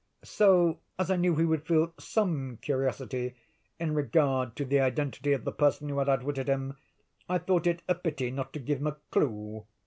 So, as I knew he would feel some curiosity in regard to the identity of the person who had outwitted him, I thought it a pity not to give him a clue.